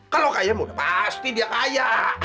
kalau kaya pasti dia kaya